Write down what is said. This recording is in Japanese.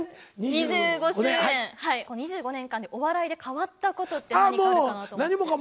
２５周年、２５年間でお笑いで変わったことって何かありますか？